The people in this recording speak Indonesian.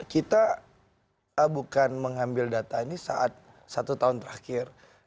kita bukan mengambil data ini saat satu tahun terakhir